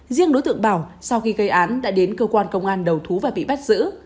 riêng đối tượng bảo sau khi gây án đã đến cơ quan công an đầu thú và bị bắt giữ